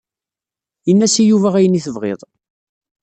Ini-as i Yuba ayen i tebɣiḍ.